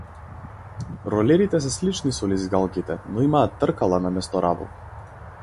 Ролерите се слични со лизгалките, но имаат тркала наместо рабови.